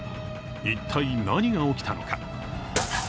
一体何が起きたのか。